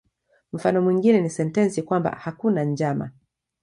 Mfano mwingine ni sentensi kwamba "hakuna njama".